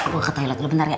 gue ke toilet dulu bentar ya